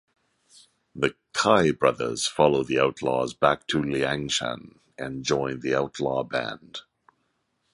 The Cai brothers follow the outlaws back to Liangshan and join the outlaw band.